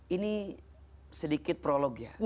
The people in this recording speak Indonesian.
ini sedikit prolog ya